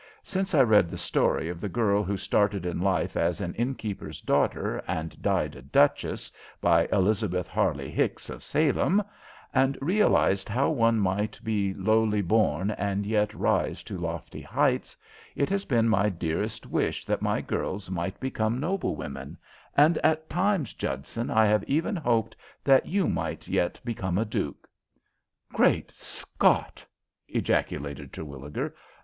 Since I read the story of the girl who started in life as an innkeeper's daughter and died a duchess, by Elizabeth Harley Hicks, of Salem, and realized how one might be lowly born and yet rise to lofty heights, it has been my dearest wish that my girls might become noblewomen, and at times, Judson, I have even hoped that you might yet become a duke." "Great Scott!" ejaculated Terwilliger.